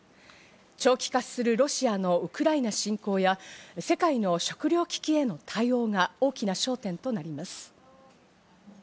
長期化するロシアのウクライナ侵攻や、世界の食糧危機への対応が大きな焦点となります。